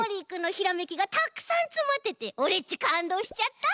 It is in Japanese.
ひらめきがたっくさんつまっててオレっちかんどうしちゃった！